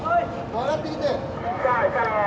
上がってきて。